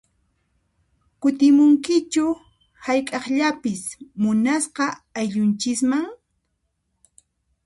Kutimunkichu hayk'aqllapis munasqa ayllunchisman?